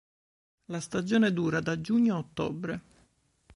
La stagione dura da giugno a ottobre.